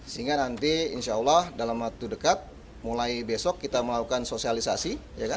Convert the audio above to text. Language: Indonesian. sehingga nanti insya allah dalam waktu dekat mulai besok kita melakukan sosialisasi